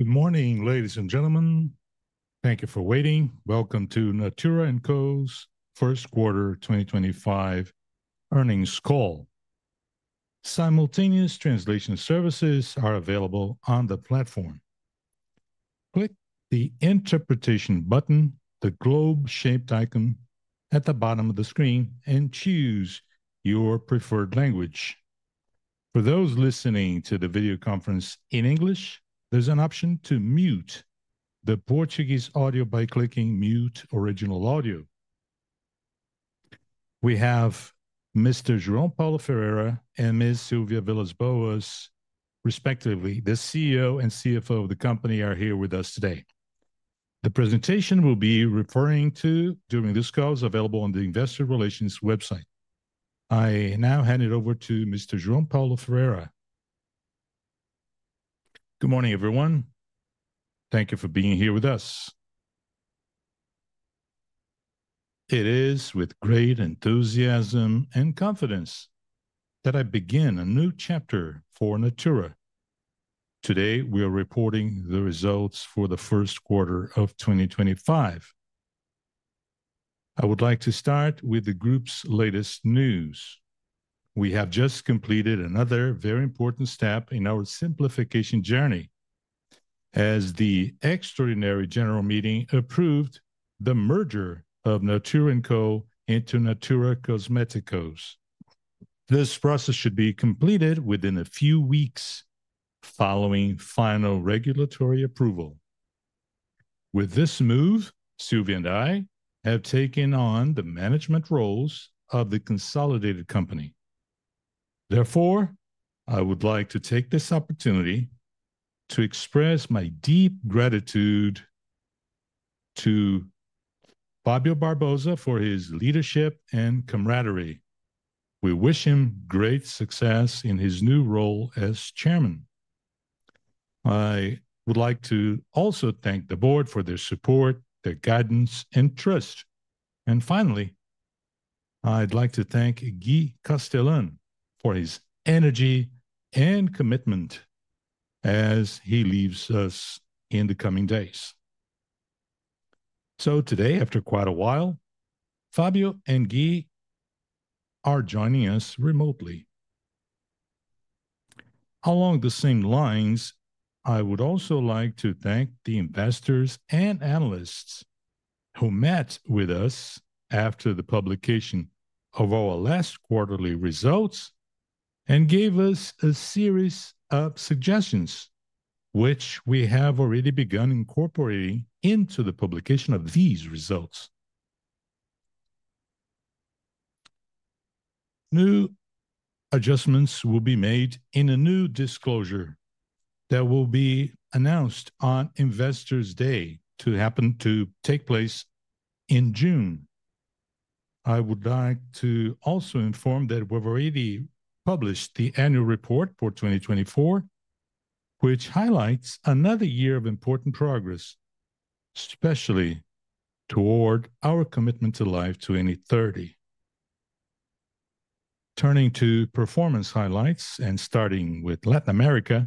Good morning, ladies and gentlemen. Thank you for waiting. Welcome to Natura Co's first quarter 2025 earnings call. Simultaneous translation services are available on the platform. Click the interpretation button, the globe-shaped icon at the bottom of the screen, and choose your preferred language. For those listening to the video conference in English, there is an option to mute the Portuguese audio by clicking Mute Original Audio. We have Mr. João Paulo Ferreira and Ms. Silvia Vilas Boas, respectively. The CEO and CFO of the company are here with us today. The presentation we will be referring to during this call is available on the investor relations website. I now hand it over to Mr. João Paulo Ferreira. Good morning, everyone. Thank you for being here with us. It is with great enthusiasm and confidence that I begin a new chapter for Natura. Today, we are reporting the results for the first quarter of 2025. I would like to start with the group's latest news. We have just completed another very important step in our simplification journey. As the extraordinary general meeting approved the merger of Natura & Co into Natura Cosméticos, this process should be completed within a few weeks following final regulatory approval. With this move, Silvia and I have taken on the management roles of the consolidated company. Therefore, I would like to take this opportunity to express my deep gratitude to Fábio Barbosa for his leadership and camaraderie. We wish him great success in his new role as Chairman. I would like to also thank the Board for their support, their guidance, and trust. Finally, I'd like to thank Gui Castellan for his energy and commitment as he leaves us in the coming days. Today, after quite a while, Fábio and Gui are joining us remotely. Along the same lines, I would also like to thank the investors and analysts who met with us after the publication of our last quarterly results and gave us a series of suggestions, which we have already begun incorporating into the publication of these results. New adjustments will be made in a new disclosure that will be announced on Investor's Day, to happen to take place in June. I would like to also inform that we've already published the annual report for 2024, which highlights another year of important progress, especially toward our commitment to Life 2030. Turning to performance highlights and starting with Latin America,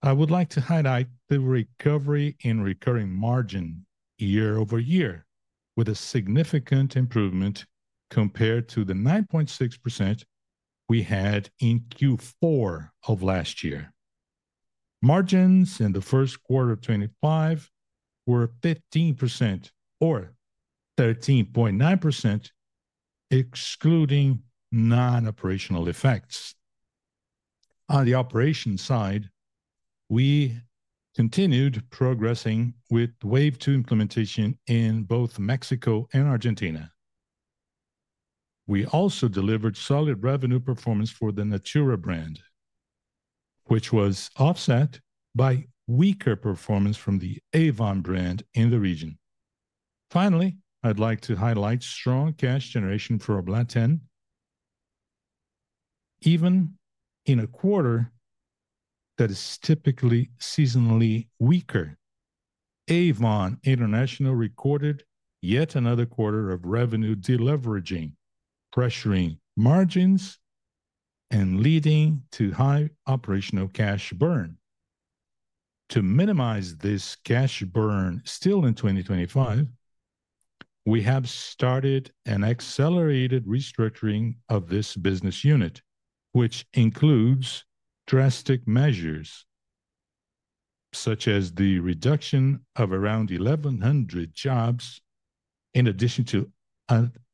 I would like to highlight the recovery in recurring margin year over year, with a significant improvement compared to the 9.6% we had in Q4 of last year. Margins in the first quarter of 2025 were 15% or 13.9%, excluding non-operational effects. On the operations side, we continued progressing with wave two implementation in both Mexico and Argentina. We also delivered solid revenue performance for the Natura brand, which was offset by weaker performance from the Avon brand in the region. Finally, I'd like to highlight strong cash generation for our business. Even in a quarter that is typically seasonally weaker, Avon International recorded yet another quarter of revenue deleveraging, pressuring margins and leading to high operational cash burn. To minimize this cash burn still in 2025, we have started an accelerated restructuring of this business unit, which includes drastic measures such as the reduction of around 1,100 jobs in addition to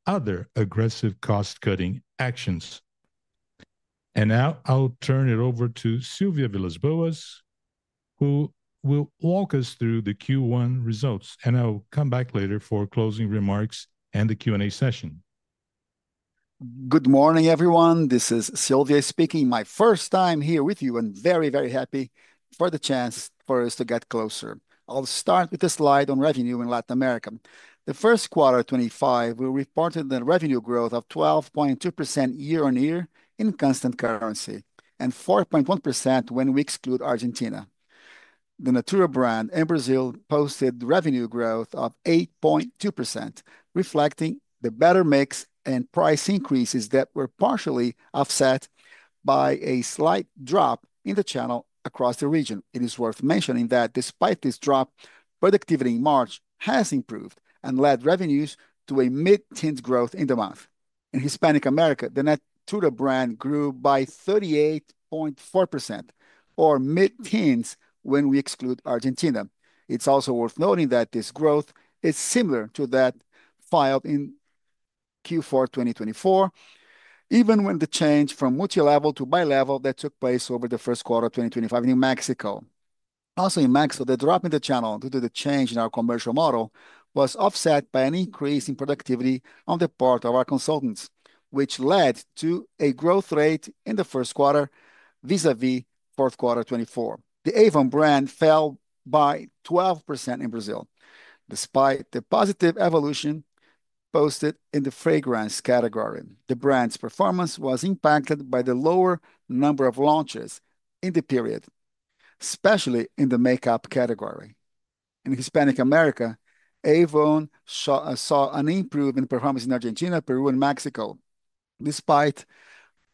other aggressive cost-cutting actions. Now I'll turn it over to Silvia Villas Boas, who will walk us through the Q1 results, and I'll come back later for closing remarks and the Q&A session. Good morning, everyone. This is Silvia speaking. My first time here with you and very, very happy for the chance for us to get closer. I'll start with the slide on revenue in Latin America. The first quarter of 2025, we reported the revenue growth of 12.2% year on year in constant currency and 4.1% when we exclude Argentina. The Natura brand in Brazil posted revenue growth of 8.2%, reflecting the better mix and price increases that were partially offset by a slight drop in the channel across the region. It is worth mentioning that despite this drop, productivity in March has improved and led revenues to a mid-tenth growth in the month. In Hispanic America, the Natura brand grew by 38.4%, or mid-tenth when we exclude Argentina. It's also worth noting that this growth is similar to that filed in Q4 2024, even when the change from multilevel to bilevel that took place over the first quarter of 2025 in Mexico. Also in Mexico, the drop in the channel due to the change in our commercial model was offset by an increase in productivity on the part of our consultants, which led to a growth rate in the first quarter vis-à-vis fourth quarter 2024. The Avon brand fell by 12% in Brazil, despite the positive evolution posted in the fragrance category. The brand's performance was impacted by the lower number of launches in the period, especially in the makeup category. In Hispanic America, Avon saw an improvement in performance in Argentina, Peru, and Mexico, despite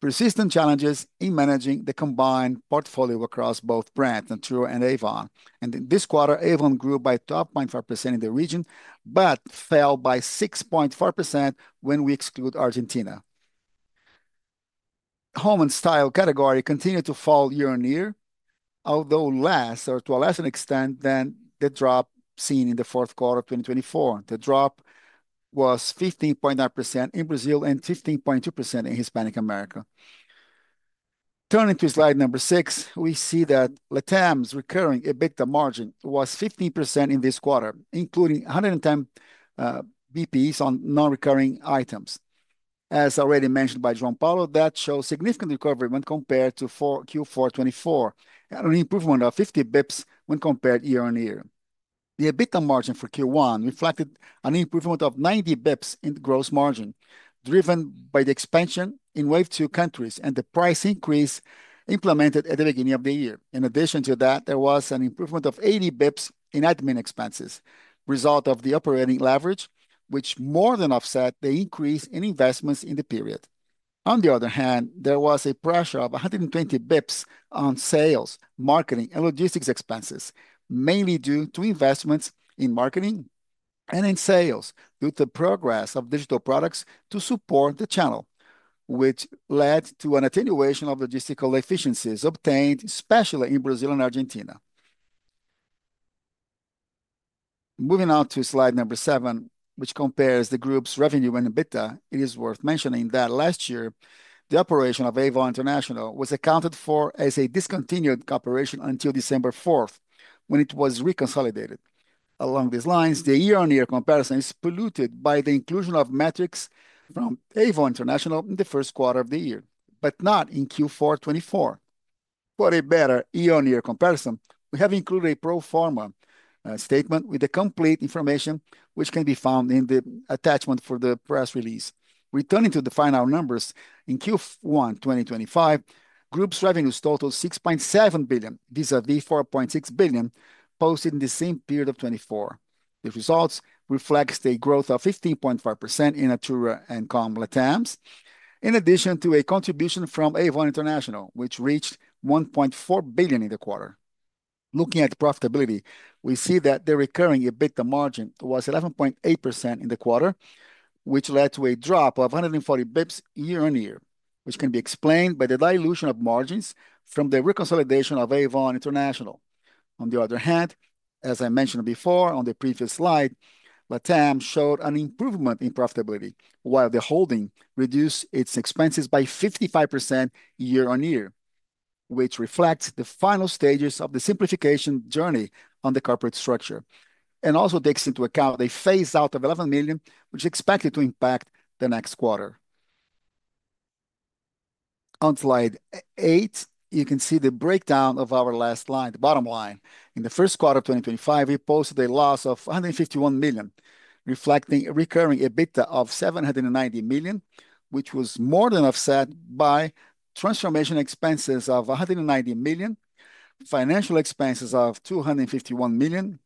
persistent challenges in managing the combined portfolio across both brands, Natura and Avon. In this quarter, Avon grew by 12.5% in the region, but fell by 6.4% when we exclude Argentina. The Home and Style category continued to fall year on year, although to a lesser extent than the drop seen in the fourth quarter of 2024. The drop was 15.9% in Brazil and 15.2% in Hispanic America. Turning to slide number six, we see that LATAM's recurring EBITDA margin was 15% in this quarter, including 110 basis points on non-recurring items. As already mentioned by João Paulo, that shows significant recovery when compared to Q4 2024, an improvement of 50 basis points when compared year on year. The EBITDA margin for Q1 reflected an improvement of 90 basis points in gross margin, driven by the expansion in wave two countries and the price increase implemented at the beginning of the year. In addition to that, there was an improvement of 80 basis points in admin expenses, result of the operating leverage, which more than offset the increase in investments in the period. On the other hand, there was a pressure of 120 basis points on sales, marketing, and logistics expenses, mainly due to investments in marketing and in sales due to the progress of digital products to support the channel, which led to an attenuation of logistical efficiencies obtained especially in Brazil and Argentina. Moving on to slide number seven, which compares the group's revenue and EBITDA, it is worth mentioning that last year, the operation of Avon International was accounted for as a discontinued cooperation until December 4, when it was reconsolidated. Along these lines, the year-on-year comparison is polluted by the inclusion of metrics from Avon International in the first quarter of the year, but not in Q4 2024. For a better year-on-year comparison, we have included a pro forma statement with the complete information, which can be found in the attachment for the press release. Returning to the final numbers, in Q1 2025, group's revenues totaled 6.7 billion vis-à-vis 4.6 billion posted in the same period of 2024. The results reflect a growth of 15.5% in Arura and Comb LATAMs, in addition to a contribution from Avon International, which reached 1.4 billion in the quarter. Looking at profitability, we see that the recurring EBITDA margin was 11.8% in the quarter, which led to a drop of 140 basis points year on year, which can be explained by the dilution of margins from the reconsolidation of Avon International. On the other hand, as I mentioned before on the previous slide, LATAM showed an improvement in profitability, while the holding reduced its expenses by 55% year on year, which reflects the final stages of the simplification journey on the corporate structure and also takes into account a phase-out of 11 million, which is expected to impact the next quarter. On slide eight, you can see the breakdown of our last line, the bottom line. In the first quarter of 2025, we posted a loss of 151 million, reflecting a recurring EBITDA of 790 million, which was more than offset by transformation expenses of 190 million, financial expenses of 251 million,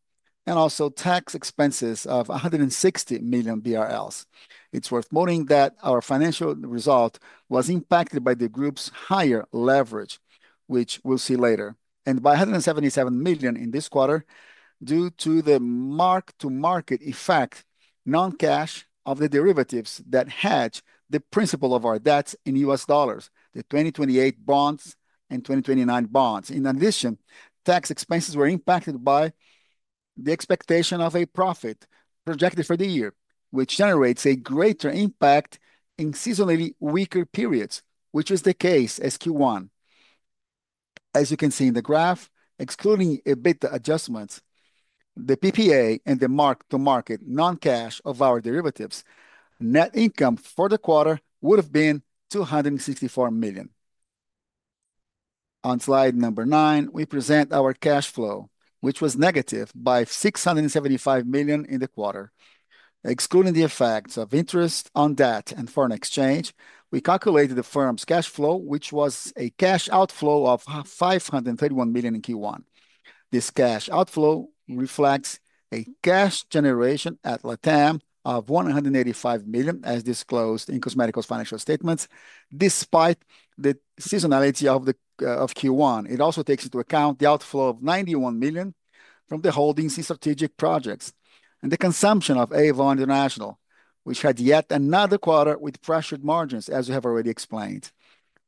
and also tax expenses of 160 million BRL. It's worth noting that our financial result was impacted by the group's higher leverage, which we'll see later, and by 177 million in this quarter due to the mark-to-market effect, non-cash, of the derivatives that hedge the principal of our debts in U.S. dollars, the 2028 bonds and 2029 bonds. In addition, tax expenses were impacted by the expectation of a profit projected for the year, which generates a greater impact in seasonally weaker periods, which was the case as Q1. As you can see in the graph, excluding EBITDA adjustments, the PPA and the mark-to-market non-cash of our derivatives, net income for the quarter would have been 264 million. On slide number nine, we present our cash flow, which was negative by 675 million in the quarter. Excluding the effects of interest on debt and foreign exchange, we calculated the firm's cash flow, which was a cash outflow of 531 million in Q1. This cash outflow reflects a cash generation at LATAM of 185 million, as disclosed in Cosméticos' financial statements, despite the seasonality of Q1. It also takes into account the outflow of 91 million from the holdings in strategic projects and the consumption of Avon International, which had yet another quarter with pressured margins, as we have already explained.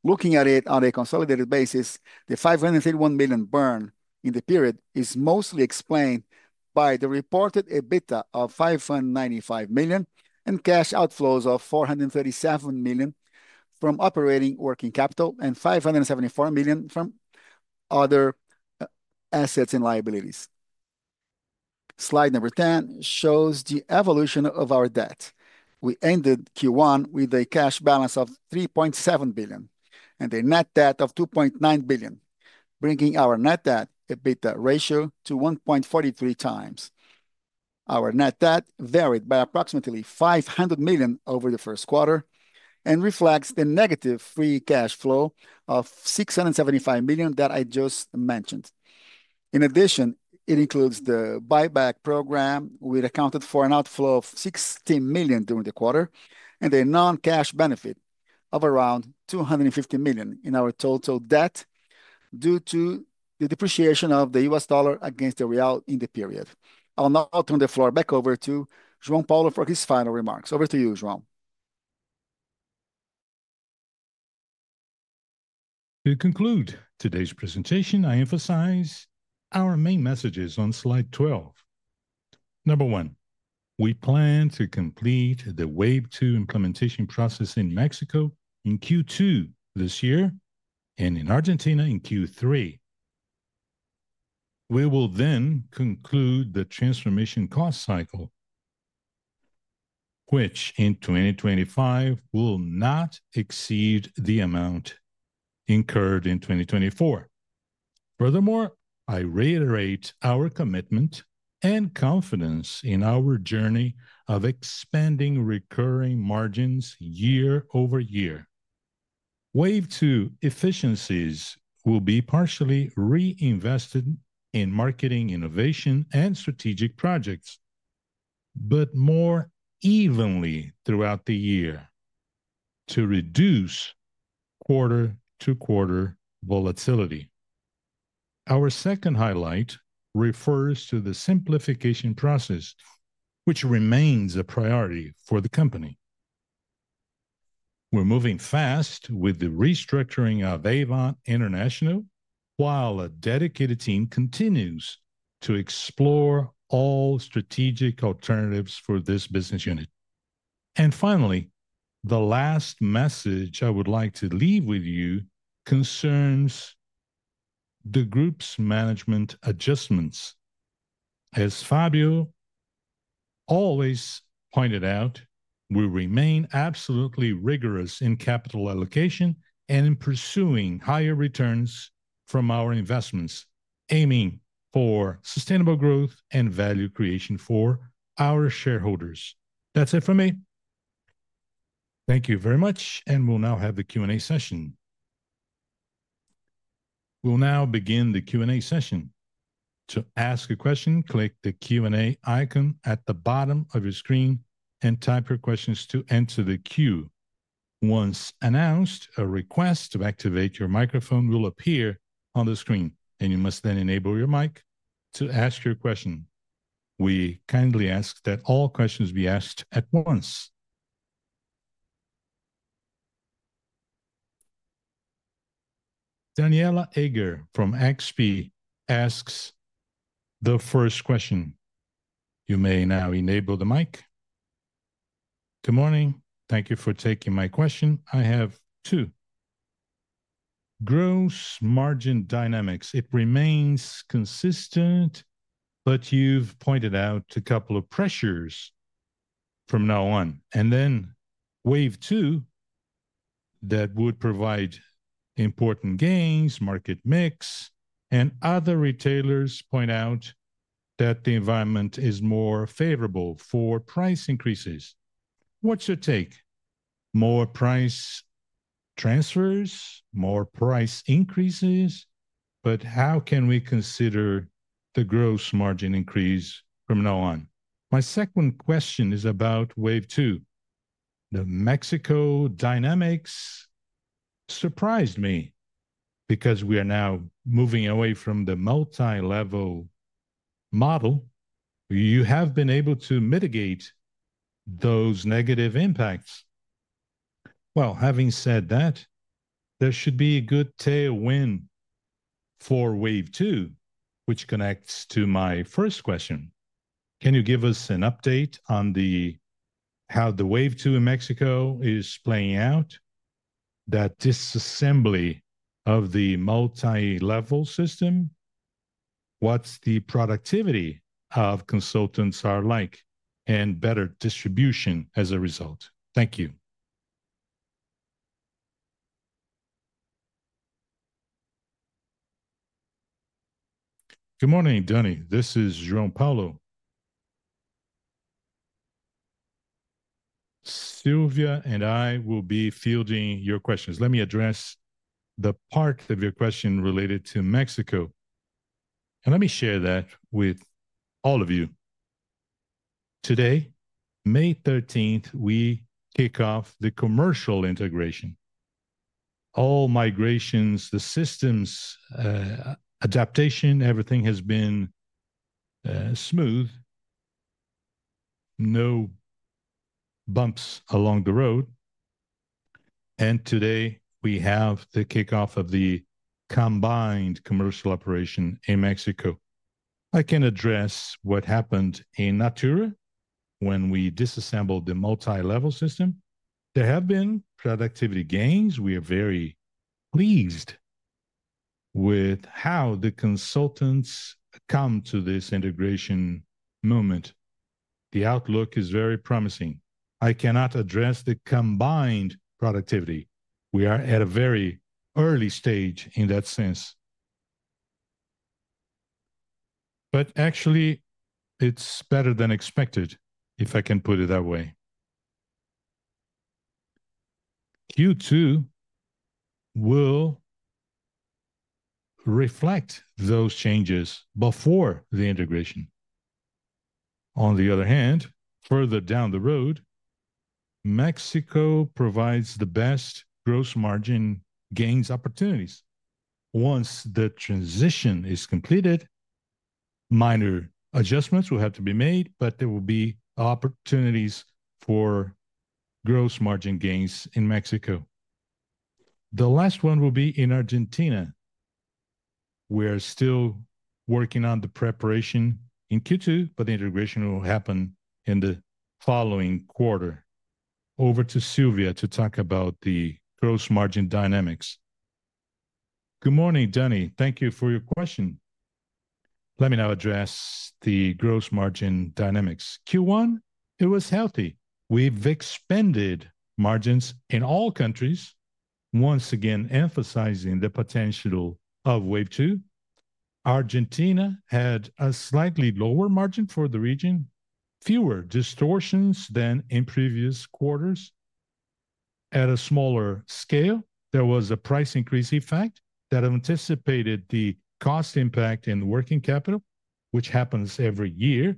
Looking at it on a consolidated basis, the 531 million burn in the period is mostly explained by the reported EBITDA of 595 million and cash outflows of 437 million from operating working capital and 574 million from other assets and liabilities. Slide number 10 shows the evolution of our debt. We ended Q1 with a cash balance of 3.7 billion and a net debt of 2.9 billion, bringing our net debt/EBITDA ratio to 1.43 times. Our net debt varied by approximately 500 million over the first quarter and reflects the negative free cash flow of 675 million that I just mentioned. In addition, it includes the buyback program, which accounted for an outflow of 60 million during the quarter and a non-cash benefit of around 250 million in our total debt due to the depreciation of the U.S. dollar against the real in the period. I'll now turn the floor back over to João Paulo for his final remarks. Over to you, João. To conclude today's presentation, I emphasize our main messages on slide 12. Number one, we plan to complete the wave two implementation process in Mexico in Q2 this year and in Argentina in Q3. We will then conclude the transformation cost cycle, which in 2025 will not exceed the amount incurred in 2024. Furthermore, I reiterate our commitment and confidence in our journey of expanding recurring margins year-over-year. Wave two efficiencies will be partially reinvested in marketing innovation and strategic projects, but more evenly throughout the year to reduce quarter-to-quarter volatility. Our second highlight refers to the simplification process, which remains a priority for the company. We are moving fast with the restructuring of Avon International while a dedicated team continues to explore all strategic alternatives for this business unit. Finally, the last message I would like to leave with you concerns the group's management adjustments. As Fábio always pointed out, we remain absolutely rigorous in capital allocation and in pursuing higher returns from our investments, aiming for sustainable growth and value creation for our shareholders. That's it for me. Thank you very much, and we'll now have the Q&A session. We'll now begin the Q&A session. To ask a question, click the Q&A icon at the bottom of your screen and type your questions to enter the queue. Once announced, a request to activate your microphone will appear on the screen, and you must then enable your mic to ask your question. We kindly ask that all questions be asked at once. Danniela Eiger from XP asks the first question. You may now enable the mic. Good morning. Thank you for taking my question. I have two. Gross margin dynamics, it remains consistent, but you've pointed out a couple of pressures from now on. Then wave two that would provide important gains, market mix, and other retailers point out that the environment is more favorable for price increases. What's your take? More price transfers, more price increases, but how can we consider the gross margin increase from now on? My second question is about wave two. The Mexico dynamics surprised me because we are now moving away from the multilevel model. You have been able to mitigate those negative impacts. Having said that, there should be a good tailwind for wave two, which connects to my first question. Can you give us an update on how the wave two in Mexico is playing out, that disassembly of the multilevel system, what the productivity of consultants are like, and better distribution as a result? Thank you. Good morning, Donnie. This is João Paulo. Silvia and I will be fielding your questions. Let me address the part of your question related to Mexico, and let me share that with all of you. Today, May 13th, we kick off the commercial integration. All migrations, the systems, adaptation, everything has been smooth. No bumps along the road. Today we have the kickoff of the combined commercial operation in Mexico. I can address what happened in Natura when we disassembled the multilevel system. There have been productivity gains. We are very pleased with how the consultants come to this integration moment. The outlook is very promising. I cannot address the combined productivity. We are at a very early stage in that sense. Actually, it is better than expected, if I can put it that way. Q2 will reflect those changes before the integration. On the other hand, further down the road, Mexico provides the best gross margin gains opportunities. Once the transition is completed, minor adjustments will have to be made, but there will be opportunities for gross margin gains in Mexico. The last one will be in Argentina. We are still working on the preparation in Q2, but the integration will happen in the following quarter. Over to Silvia to talk about the gross margin dynamics. Good morning, Donnie. Thank you for your question. Let me now address the gross margin dynamics. Q1, it was healthy. We've expanded margins in all countries, once again emphasizing the potential of wave two. Argentina had a slightly lower margin for the region, fewer distortions than in previous quarters. At a smaller scale, there was a price increase effect that anticipated the cost impact in working capital, which happens every year.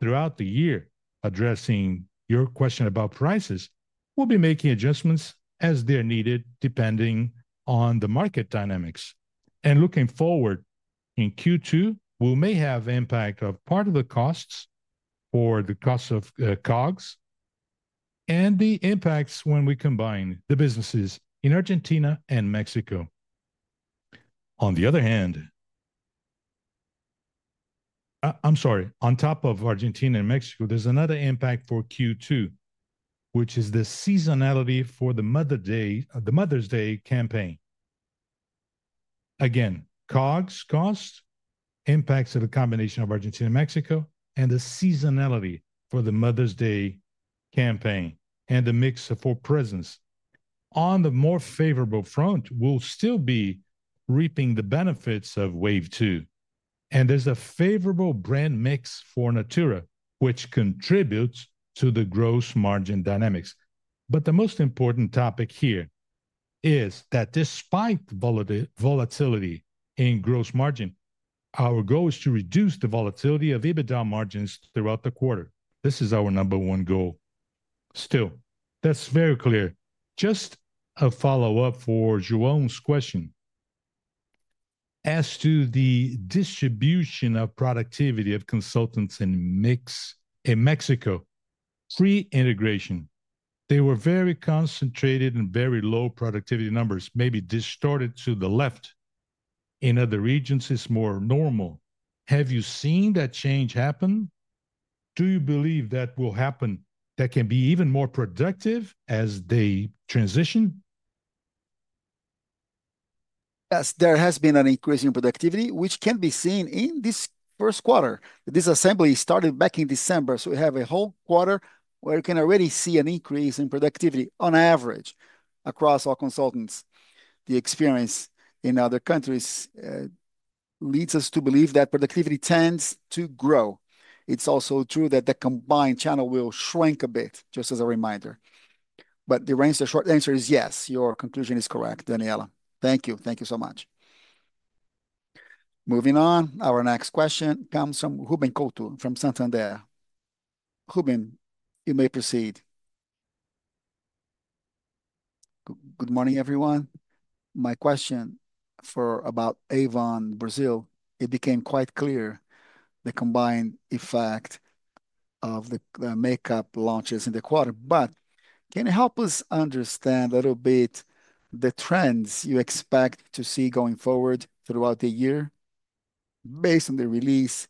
Throughout the year, addressing your question about prices, we'll be making adjustments as they're needed depending on the market dynamics. Looking forward in Q2, we may have impact of part of the costs for the cost of COGS and the impacts when we combine the businesses in Argentina and Mexico. On top of Argentina and Mexico, there's another impact for Q2, which is the seasonality for the Mother's Day campaign. Again, COGS cost, impacts of the combination of Argentina and Mexico, and the seasonality for the Mother's Day campaign and the mix of four prisons. On the more favorable front, we'll still be reaping the benefits of wave two. There's a favorable brand mix for Natura, which contributes to the gross margin dynamics. The most important topic here is that despite volatility in gross margin, our goal is to reduce the volatility of EBITDA margins throughout the quarter. This is our number one goal. Still, that's very clear. Just a follow-up for Jerome's question. As to the distribution of productivity of consultants and mix in Mexico, pre-integration, they were very concentrated and very low productivity numbers, maybe distorted to the left. In other regions, it's more normal. Have you seen that change happen? Do you believe that will happen? That can be even more productive as they transition? Yes, there has been an increase in productivity, which can be seen in this first quarter. This assembly started back in December, so we have a whole quarter where you can already see an increase in productivity on average across all consultants. The experience in other countries leads us to believe that productivity tends to grow. It is also true that the combined channel will shrink a bit, just as a reminder. The short answer is yes. Your conclusion is correct, Danniela. Thank you. Thank you so much. Moving on, our next question comes from Ruben Couto from Santander. Ruben, you may proceed. Good morning, everyone. My question for about Avon Brazil, it became quite clear the combined effect of the makeup launches in the quarter. Can you help us understand a little bit the trends you expect to see going forward throughout the year? Based on the release,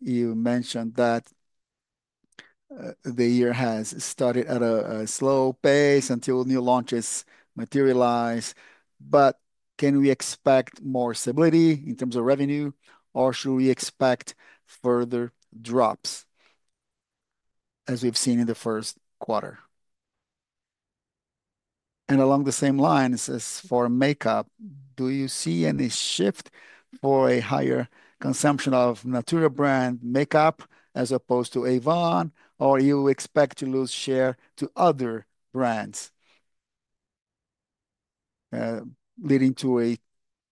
you mentioned that the year has started at a slow pace until new launches materialize. Can we expect more stability in terms of revenue, or should we expect further drops as we have seen in the first quarter? Along the same lines, as for makeup, do you see any shift for a higher consumption of Natura brand makeup as opposed to Avon, or do you expect to lose share to other brands, leading to a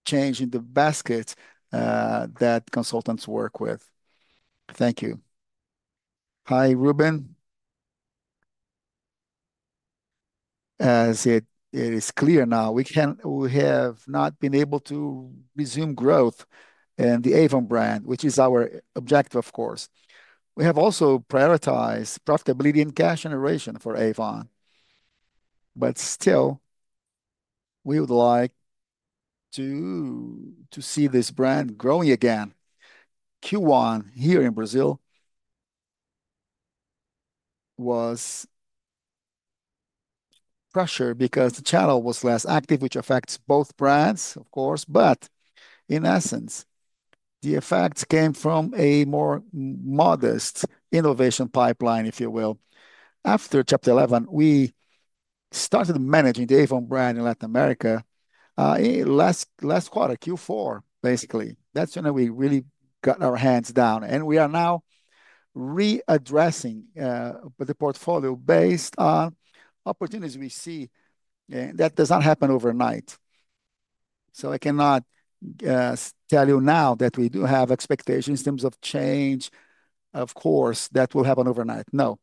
change in the basket that consultants work with? Thank you. Hi, Ruben. As it is clear now, we have not been able to resume growth in the Avon brand, which is our objective, of course. We have also prioritized profitability and cash generation for Avon. Still, we would like to see this brand growing again. Q1 here in Brazil was pressure because the channel was less active, which affects both brands, of course. In essence, the effects came from a more modest innovation pipeline, if you will. After Chapter 11, we started managing the Avon brand in Latin America, last quarter, Q4, basically. That is when we really got our hands down. We are now readdressing the portfolio based on opportunities we see. That does not happen overnight. I cannot tell you now that we do have expectations in terms of change, of course, that will happen overnight. No.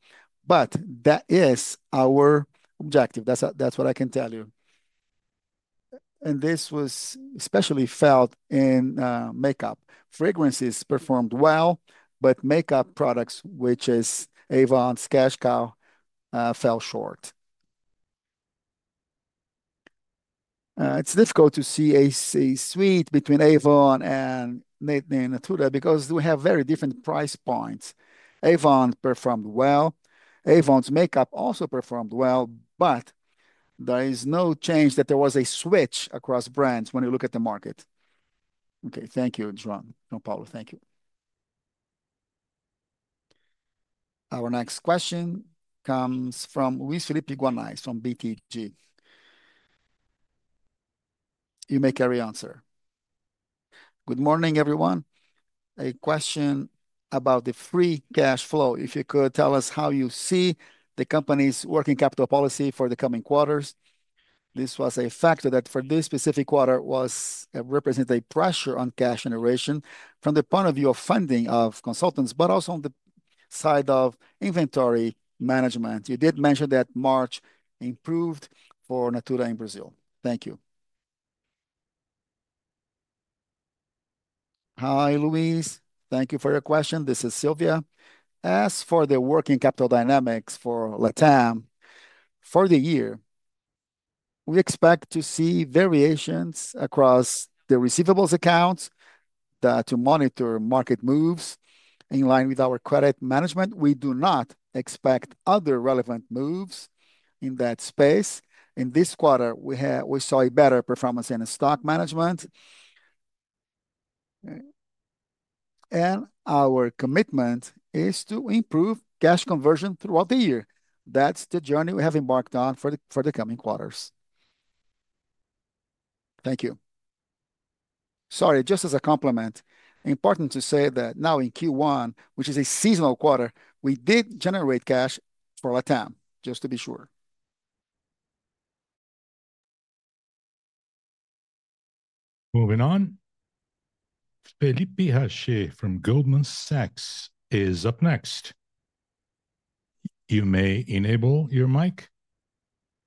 That is our objective. That is what I can tell you. This was especially felt in makeup. Fragrances performed well, but makeup products, which is Avon's cash cow, fell short. It is difficult to see a sweet between Avon and Natura because we have very different price points. Avon performed well. Avon's makeup also performed well, but there is no change that there was a switch across brands when you look at the market. Okay, thank you, João Paulo. Thank you. Our next question comes from Luiz Felipe Guanais from BTG. You may carry answer. Good morning, everyone. A question about the free cash flow. If you could tell us how you see the company's working capital policy for the coming quarters. This was a factor that for this specific quarter was represented a pressure on cash generation from the point of view of funding of consultants, but also on the side of inventory management. You did mention that March improved for Natura in Brazil. Thank you. Hi, Luiz. Thank you for your question. This is Silvia. As for the working capital dynamics for LATAM, for the year, we expect to see variations across the receivables accounts to monitor market moves in line with our credit management. We do not expect other relevant moves in that space. In this quarter, we saw a better performance in stock management. Our commitment is to improve cash conversion throughout the year. That is the journey we have embarked on for the coming quarters. Thank you. Sorry, just as a compliment, important to say that now in Q1, which is a seasonal quarter, we did generate cash for LATAM, just to be sure. Moving on. Felipe Rached from Goldman Sachs is up next. You may enable your mic.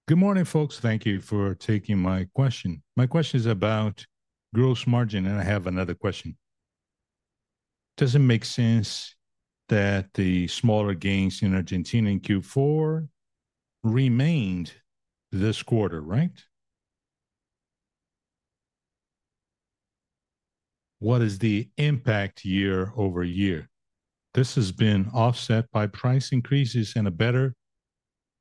Good morning, folks. Thank you for taking my question. My question is about gross margin, and I have another question. Does it make sense that the smaller gains in Argentina in Q4 remained this quarter, right? What is the impact year over year? This has been offset by price increases and a better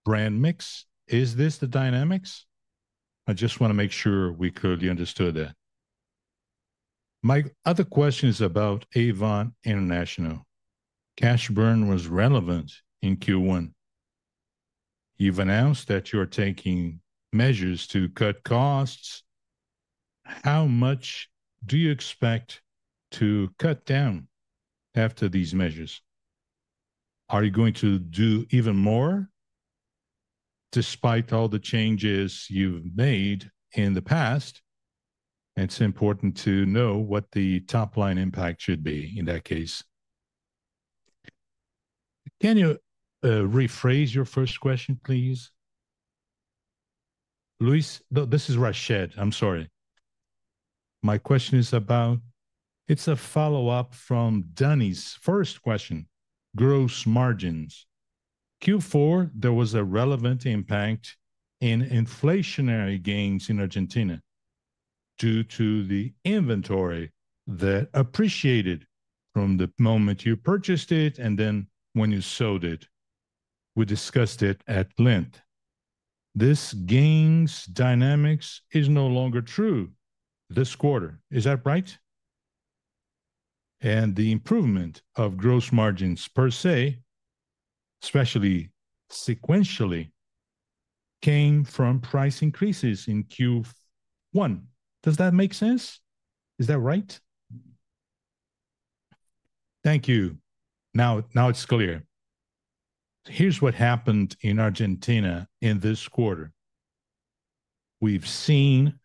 brand mix. Is this the dynamics? I just want to make sure we clearly understood that. My other question is about Avon International. Cash burn was relevant in Q1. You've announced that you're taking measures to cut costs. How much do you expect to cut down after these measures? Are you going to do even more despite all the changes you've made in the past? It's important to know what the top line impact should be in that case. Can you rephrase your first question, please? Luis, this is Rached. I'm sorry. My question is about, it's a follow-up from Donny's first question, gross margins. Q4, there was a relevant impact in inflationary gains in Argentina due to the inventory that appreciated from the moment you purchased it and then when you sold it. We discussed it at length. This gains dynamics is no longer true this quarter. Is that right? And the improvement of gross margins per se, especially sequentially, came from price increases in Q1. Does that make sense? Is that right? Thank you. Now, now it's clear. Here's what happened in Argentina in this quarter. We've seen an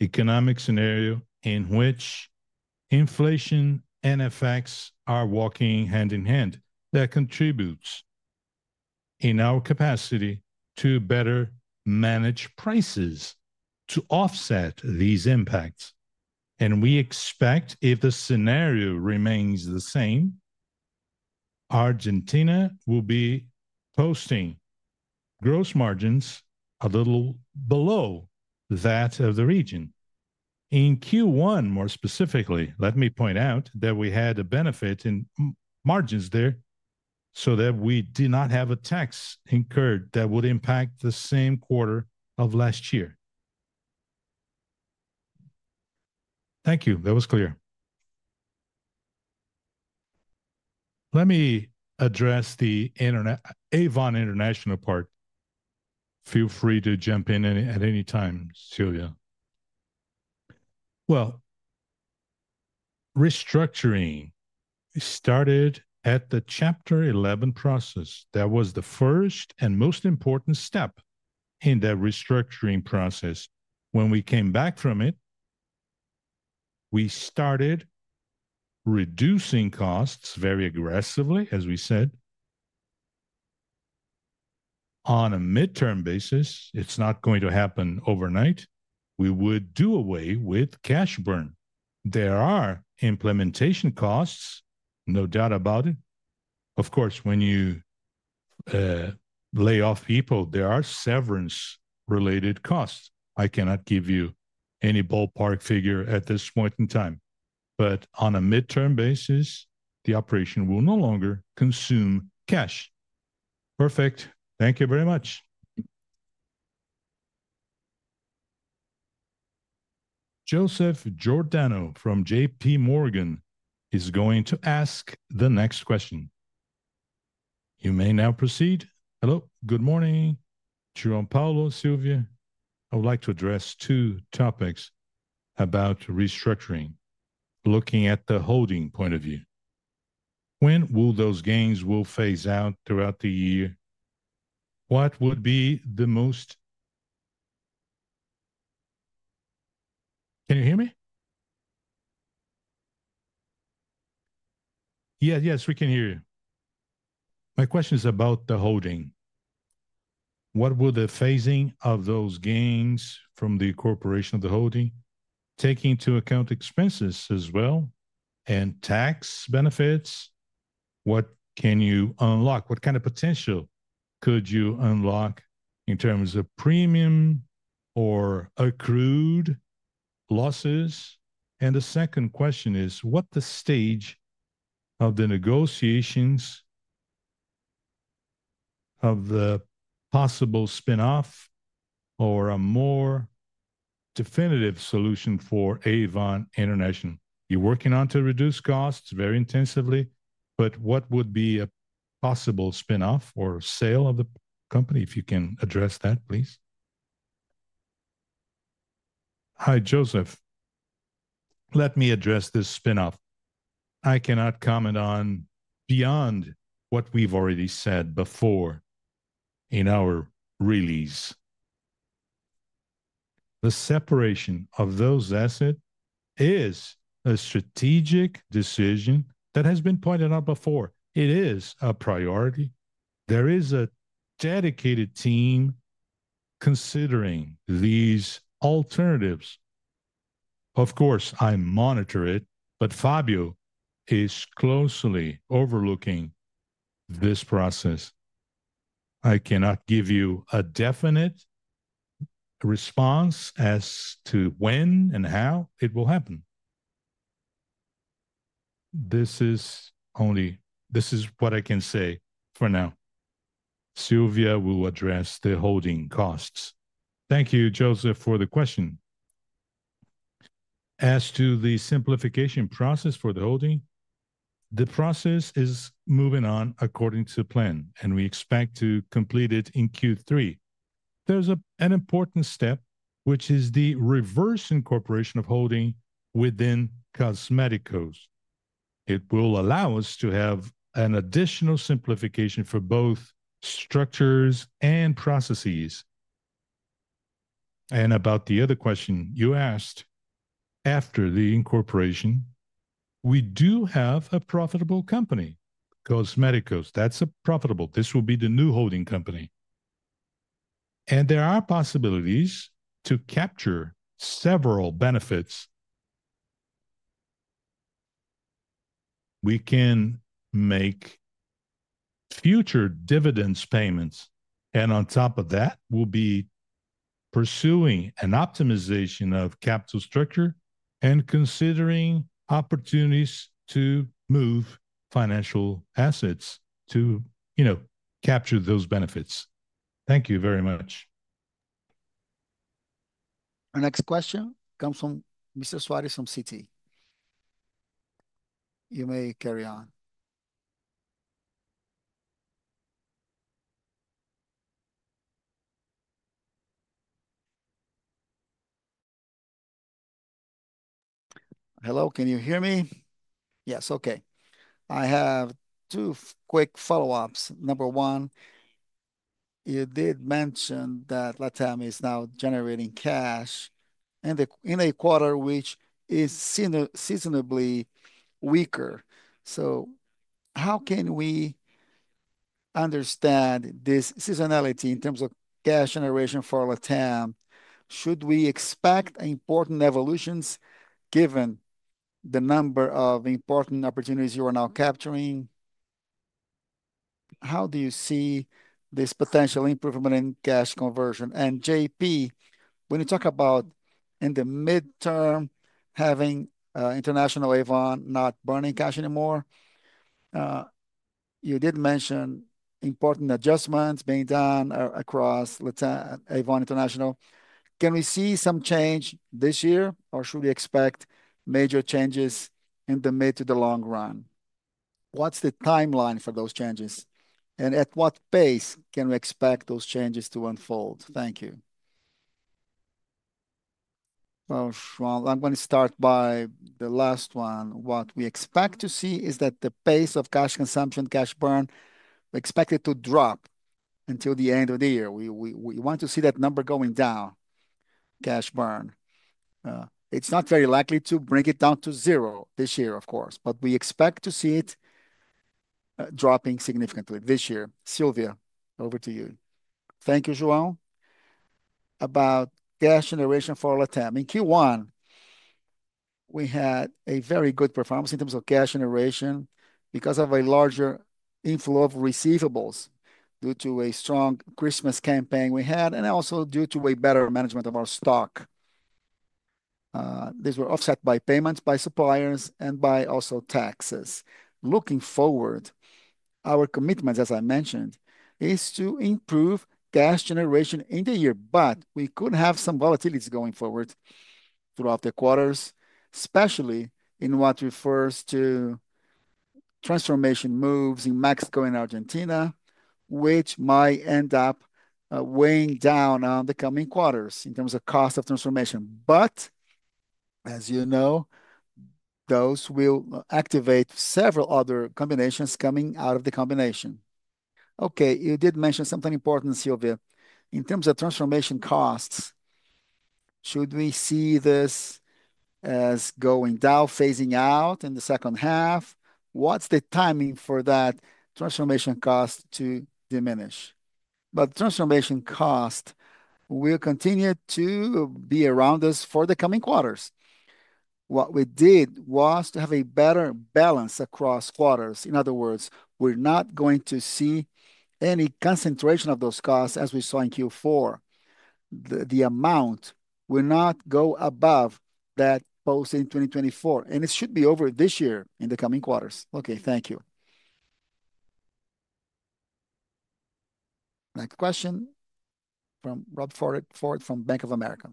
economic scenario in which inflation and effects are walking hand in hand. That contributes in our capacity to better manage prices to offset these impacts. We expect if the scenario remains the same, Argentina will be posting gross margins a little below that of the region. In Q1, more specifically, let me point out that we had a benefit in margins there so that we did not have a tax incurred that would impact the same quarter of last year. Thank you. That was clear. Let me address the Avon International part. Feel free to jump in at any time, SIlvia. Restructuring started at the Chapter 11 process. That was the first and most important step in that restructuring process. When we came back from it, we started reducing costs very aggressively, as we said, on a midterm basis. It's not going to happen overnight. We would do away with cash burn. There are implementation costs, no doubt about it. Of course, when you lay off people, there are severance-related costs. I cannot give you any ballpark figure at this point in time. But on a midterm basis, the operation will no longer consume cash. Perfect. Thank you very much. Joseph Giordano from JP Morgan is going to ask the next question. You may now proceed. Hello, good morning, João Paulo, Silvia. I would like to address two topics about restructuring, looking at the holding point of view. When will those gains phase out throughout the year? What would be the most? Can you hear me? Yeah, yes, we can hear you. My question is about the holding. What will the phasing of those gains from the corporation of the holding, taking into account expenses as well and tax benefits? What can you unlock? What kind of potential could you unlock in terms of premium or accrued losses? The second question is, what's the stage of the negotiations of the possible spinoff or a more definitive solution for Avon International? You're working on to reduce costs very intensively, but what would be a possible spinoff or sale of the company if you can address that, please? Hi, Joseph. Let me address this spinoff. I cannot comment on beyond what we've already said before in our release. The separation of those assets is a strategic decision that has been pointed out before. It is a priority. There is a dedicated team considering these alternatives. Of course, I monitor it, but Fábio is closely overlooking this process. I cannot give you a definite response as to when and how it will happen. This is only, this is what I can say for now. Silvia will address the holding costs. Thank you, Joseph, for the question. As to the simplification process for the holding, the process is moving on according to plan, and we expect to complete it in Q3. There is an important step, which is the reverse incorporation of holding within Cosméticos. It will allow us to have an additional simplification for both structures and processes. About the other question you asked, after the incorporation, we do have a profitable company, Cosméticos. That is profitable. This will be the new holding company. There are possibilities to capture several benefits. We can make future dividends payments, and on top of that, we will be pursuing an optimization of capital structure and considering opportunities to move financial assets to, you know, capture those benefits. Thank you very much. Our next question comes from Mr. Suarez from CT. You may carry on. Hello, can you hear me? Yes, okay. I have two quick follow-ups. Number one, you did mention that LATAM is now generating cash in the quarter, which is seasonably weaker. How can we understand this seasonality in terms of cash generation for LATAM? Should we expect important evolutions given the number of important opportunities you are now capturing? How do you see this potential improvement in cash conversion? And JP, when you talk about in the midterm having International Avon not burning cash anymore, you did mention important adjustments being done across Avon International. Can we see some change this year, or should we expect major changes in the mid to the long run? What is the timeline for those changes, and at what pace can we expect those changes to unfold? Thank you. I'm going to start by the last one. What we expect to see is that the pace of cash consumption, cash burn, is expected to drop until the end of the year. We want to see that number going down, cash burn. It's not very likely to bring it down to zero this year, of course, but we expect to see it dropping significantly this year. Silvia, over to you. Thank you, João. About cash generation for LATAM. In Q1, we had a very good performance in terms of cash generation because of a larger inflow of receivables due to a strong Christmas campaign we had, and also due to better management of our stock. These were offset by payments by suppliers and by also taxes. Looking forward, our commitment, as I mentioned, is to improve cash generation in the year, but we could have some volatilities going forward throughout the quarters, especially in what refers to transformation moves in Mexico and Argentina, which might end up weighing down on the coming quarters in terms of cost of transformation. As you know, those will activate several other combinations coming out of the combination. Okay, you did mention something important, Silvia. In terms of transformation costs, should we see this as going down, phasing out in the second half? What's the timing for that transformation cost to diminish? Transformation costs will continue to be around us for the coming quarters. What we did was to have a better balance across quarters. In other words, we're not going to see any concentration of those costs as we saw in Q4. The amount will not go above that posted in 2024, and it should be over this year in the coming quarters. Okay, thank you. Next question from Robert Ford from Bank of America.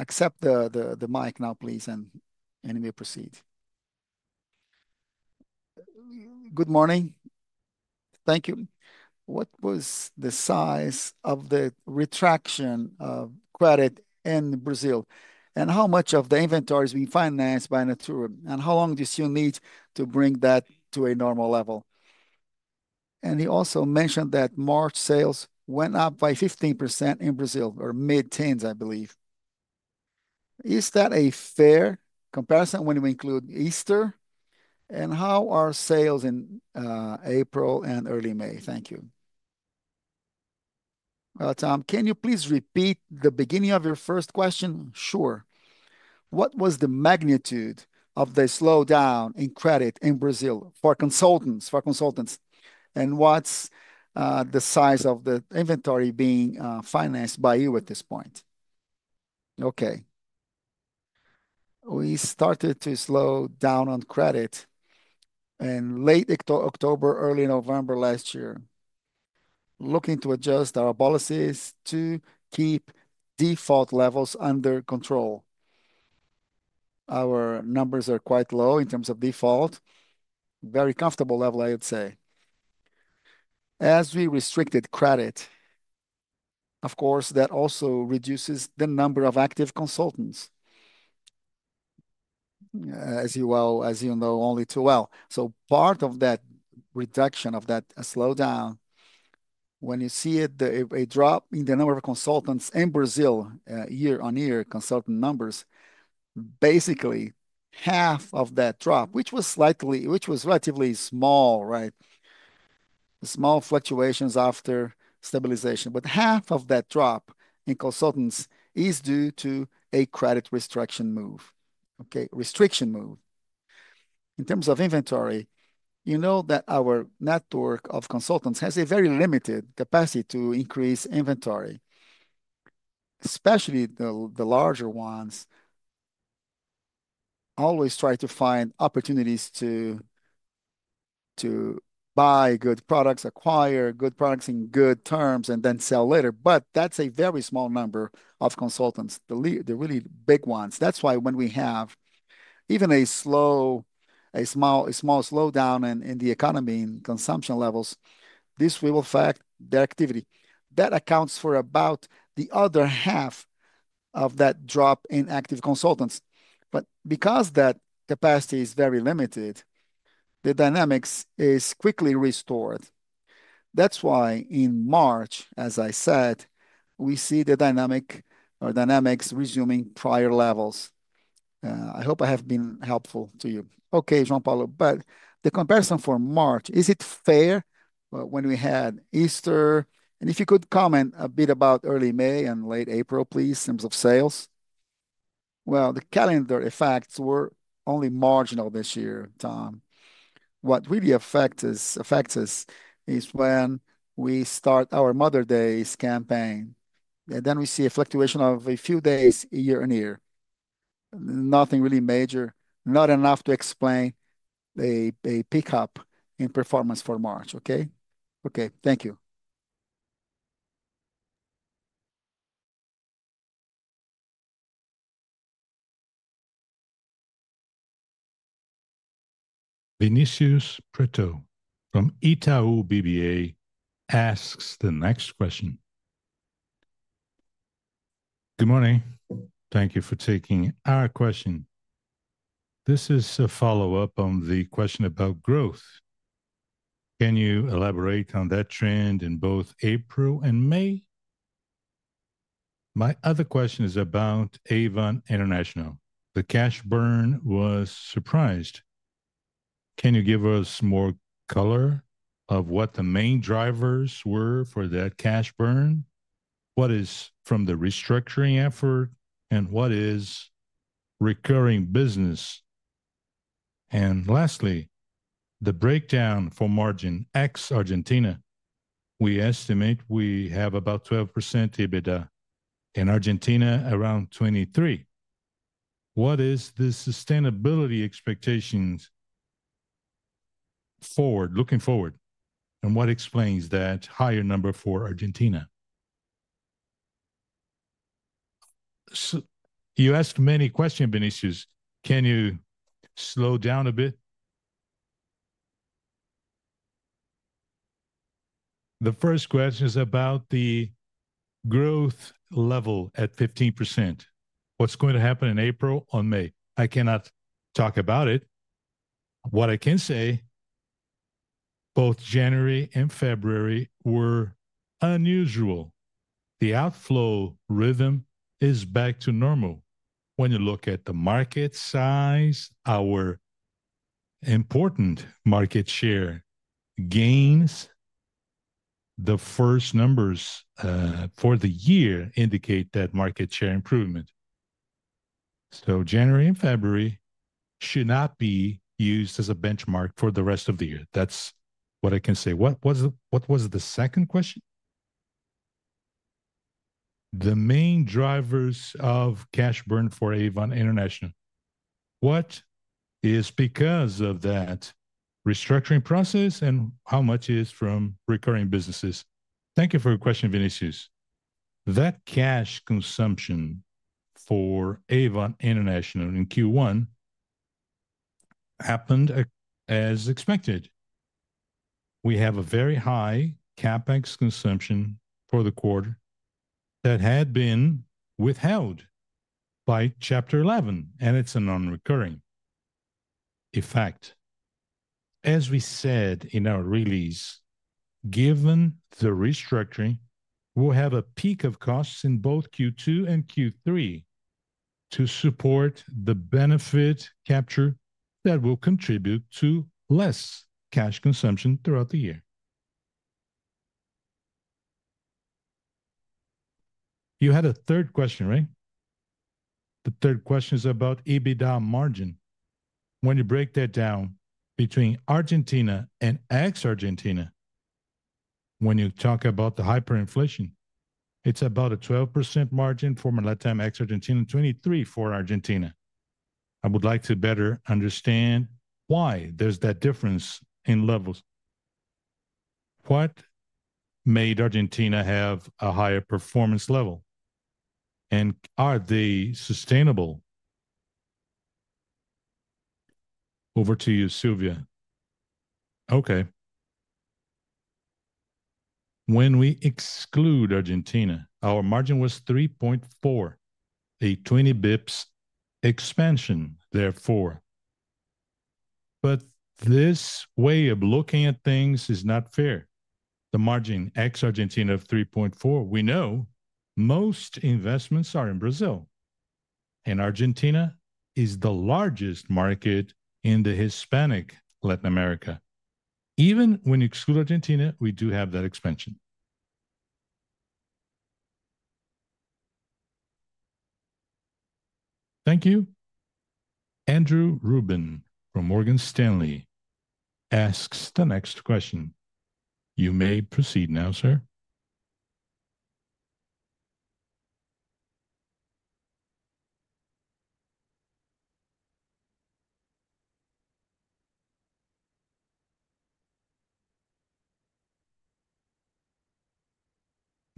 Accept the mic now, please, and we proceed. Good morning. Thank you. What was the size of the retraction of credit in Brazil? And how much of the inventory has been financed by Natura? And how long do you still need to bring that to a normal level? He also mentioned that March sales went up by 15% in Brazil, or mid-teens, I believe. Is that a fair comparison when we include Easter? How are sales in April and early May? Thank you. Tom, can you please repeat the beginning of your first question? Sure. What was the magnitude of the slowdown in credit in Brazil for consultants? What's the size of the inventory being financed by you at this point? Okay. We started to slow down on credit in late October, early November last year, looking to adjust our policies to keep default levels under control. Our numbers are quite low in terms of default, very comfortable level, I would say. As we restricted credit, of course, that also reduces the number of active consultants, as you know only too well. Part of that reduction of that slowdown, when you see it, a drop in the number of consultants in Brazil year on year, consultant numbers, basically half of that drop, which was slightly, which was relatively small, right? Small fluctuations after stabilization, but half of that drop in consultants is due to a credit restriction move. Okay, restriction move. In terms of inventory, you know that our network of consultants has a very limited capacity to increase inventory, especially the larger ones. Always try to find opportunities to buy good products, acquire good products in good terms, and then sell later. That is a very small number of consultants, the really big ones. That is why when we have even a small slowdown in the economy and consumption levels, this will affect their activity. That accounts for about the other half of that drop in active consultants. Because that capacity is very limited, the dynamics is quickly restored. That is why in March, as I said, we see the dynamic or dynamics resuming prior levels. I hope I have been helpful to you. Okay, João Paulo, but the comparison for March, is it fair when we had Easter? If you could comment a bit about early May and late April, please, in terms of sales. The calendar effects were only marginal this year, Tom. What really affects us is when we start our Mother's Day campaign, and then we see a fluctuation of a few days year on year. Nothing really major, not enough to explain a pickup in performance for March. Okay? Thank you. Vinicius Pretto from Itaú BBA asks the next question. Good morning. Thank you for taking our question. This is a follow-up on the question about growth. Can you elaborate on that trend in both April and May? My other question is about Avon International. The cash burn was a surprise. Can you give us more color of what the main drivers were for that cash burn? What is from the restructuring effort and what is recurring business? Lastly, the breakdown for margin excluding Argentina. We estimate we have about 12% EBITDA in Argentina, around 23%. What is the sustainability expectations forward, looking forward? What explains that higher number for Argentina? You asked many questions, Vinicius. Can you slow down a bit? The first question is about the growth level at 15%. What is going to happen in April or May? I cannot talk about it. What I can say, both January and February were unusual. The outflow rhythm is back to normal. When you look at the market size, our important market share gains. The first numbers for the year indicate that market share improvement. January and February should not be used as a benchmark for the rest of the year. That is what I can say. What was the second question? The main drivers of cash burn for Avon International. What is because of that restructuring process and how much is from recurring businesses? Thank you for your question, Vinicius. That cash consumption for Avon International in Q1 happened as expected. We have a very high CapEx consumption for the quarter that had been withheld by Chapter 11, and it is a non-recurring effect. As we said in our release, given the restructuring, we will have a peak of costs in both Q2 and Q3 to support the benefit capture that will contribute to less cash consumption throughout the year. You had a third question, right? The third question is about EBITDA margin. When you break that down between Argentina and ex-Argentina, when you talk about the hyperinflation, it is about a 12% margin for my LATAM ex-Argentina and 23% for Argentina. I would like to better understand why there is that difference in levels. What made Argentina have a higher performance level? Are they sustainable? Over to you, SIlvia. Okay. When we exclude Argentina, our margin was 3.4, a 20 basis points expansion, therefore. This way of looking at things is not fair. The margin ex-Argentina of 3.4, we know most investments are in Brazil. Argentina is the largest market in the Hispanic Latin America. Even when you exclude Argentina, we do have that expansion. Thank you. Andrew Ruben from Morgan Stanley asks the next question. You may proceed now, sir.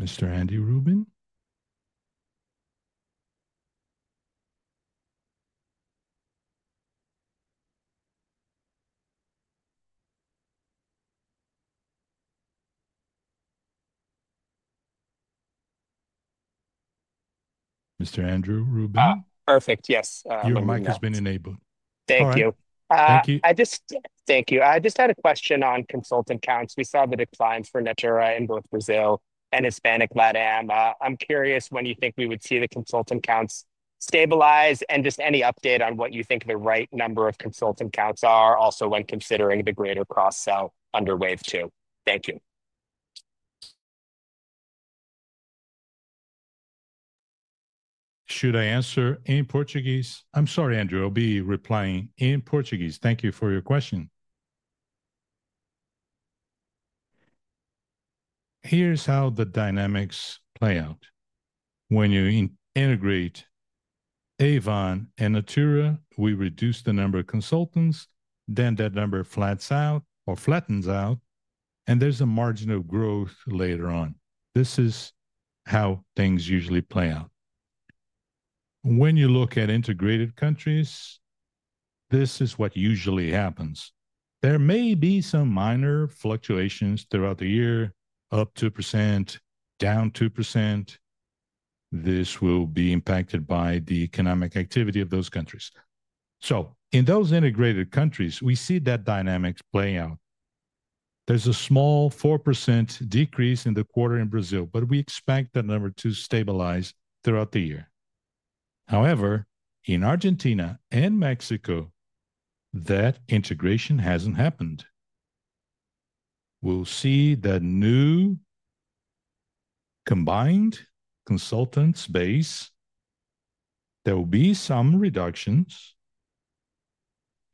Mr. Andy Ruben? Mr. Andrew Ruben? Perfect, yes. Your mic has been enabled. Thank you. I just, thank you. I just had a question on consultant counts. We saw the declines for Natura in both Brazil and Hispanic LATAM. I'm curious when you think we would see the consultant counts stabilize and just any update on what you think the right number of consultant counts are, also when considering the greater cross-sell under wave two. Thank you. Should I answer in Portuguese? I'm sorry, Andrew. I'll be replying in Portuguese. Thank you for your question. Here's how the dynamics play out. When you integrate Avon and Natura, we reduce the number of consultants, then that number flats out or flattens out, and there's a margin of growth later on. This is how things usually play out. When you look at integrated countries, this is what usually happens. There may be some minor fluctuations throughout the year, up 2%, down 2%. This will be impacted by the economic activity of those countries. In those integrated countries, we see that dynamics play out. There's a small 4% decrease in the quarter in Brazil, but we expect that number to stabilize throughout the year. However, in Argentina and Mexico, that integration hasn't happened. We'll see that new combined consultants base. There will be some reductions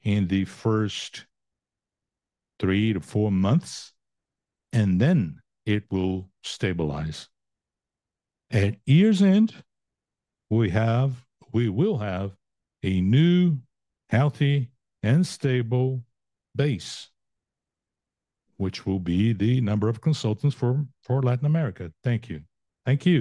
in the first three to four months, and then it will stabilize. At year's end, we have, we will have a new, healthy, and stable base, which will be the number of consultants for Latin America. Thank you. Thank you.